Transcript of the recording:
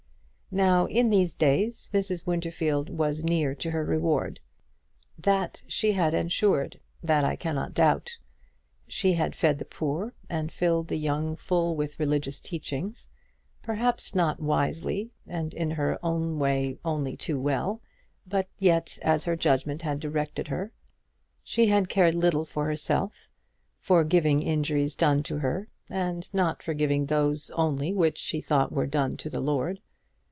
Now, in these days, Mrs. Winterfield was near to her reward. That she had ensured that I cannot doubt. She had fed the poor, and filled the young full with religious teachings, perhaps not wisely, and in her own way only too well, but yet as her judgment had directed her. She had cared little for herself, forgiving injuries done to her, and not forgiving those only which she thought were done to the Lord.